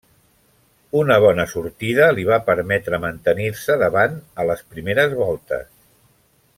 Una bona sortida li va permetre mantenir-se davant a les primeres voltes.